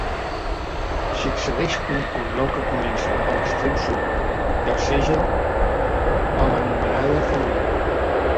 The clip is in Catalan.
S'hi accedeix per un corriol que comença a l'extrem sud d'Arsèguel a l'anomenada Font Vella.